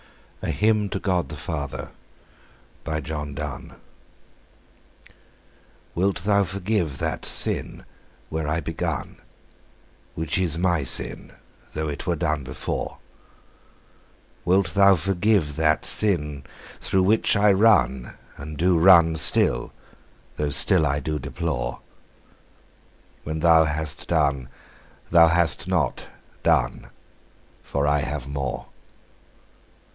A HYMN TO GOD THE FATHER. by John Donne I. WILT Thou forgive that sin where I begun, Which was my sin, though it were done before? Wilt Thou forgive that sin, through which I run, And do run still, though still I do deplore? When Thou hast done, Thou hast not done, For I have more.